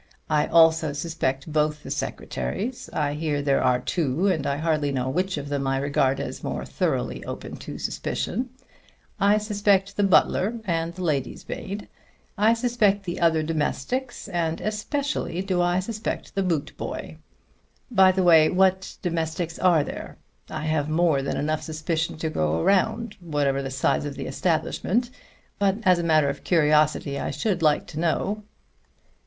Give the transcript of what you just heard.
I also suspect both the secretaries I hear there are two, and I hardly know which of them I regard as more thoroughly open to suspicion. I suspect the butler and the lady's maid. I suspect the other domestics, and especially do I suspect the boot boy. By the way, what domestics are there? I have more than enough suspicion to go round, whatever the size of the establishment; but as a matter of curiosity I should like to know."